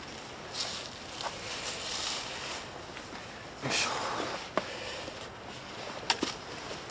よいしょ。